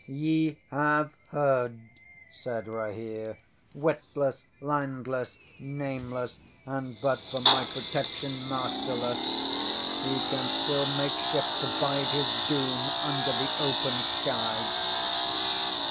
ŌĆśŌĆ£Ye have heard! ŌĆØ said Rahere. ŌĆ£Witless, landless, nameless, and, but for my protection, masterless, he can still make shift to bide his doom under the open sky.